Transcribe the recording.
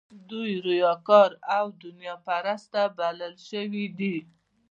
دوی ریاکار او دنیا پرسته بلل شوي دي.